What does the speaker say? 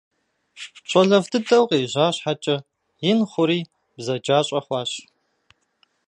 Щӏалэфӏ дыдэу къежьа щхьэкӏэ, ин хъури бзаджащӏэ хъуащ.